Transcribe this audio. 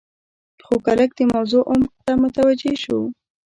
خو که لږ د موضوع عمق ته متوجې شو.